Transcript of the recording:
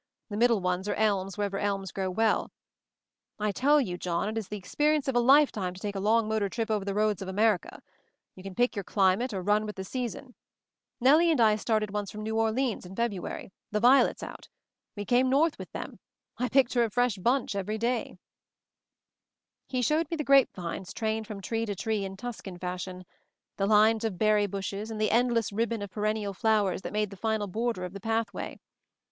The middle ones are elms wherever elms grow well. I tell you, John, it is the experience of a lifetime to take a long motor trip over the roads of Ajnerica! You can pick your climate, or run with the season. Nellie and I started once from New Orleans MOVING THE MOUNTAIN 177 in February — the violets out. We came north with them; I picked her a fresh bunch every dayl" He showed me the grape vines trained from tree to tree in Tuscan fashion; the lines of berry bushes, and the endless rib bon of perennial flowers that made the final border of the pathway.